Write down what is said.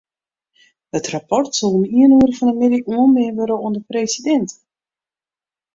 It rapport soe om ien oere fan 'e middei oanbean wurde oan de presidint.